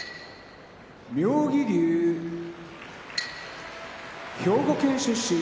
妙義龍兵庫県出身